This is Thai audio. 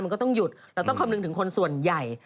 มันก็ต้องหยุดเราต้องคำนึงถึงคนส่วนใหญ่